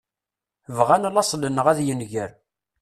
Bɣan laṣel-nneɣ ad yenger.